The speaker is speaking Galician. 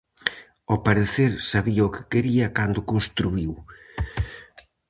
Ao parecer sabía o que quería cando o construíu!